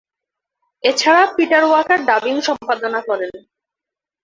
এছাড়া Peter Walker dubbing সম্পাদনা করেন।